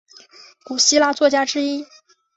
古希腊作家之一。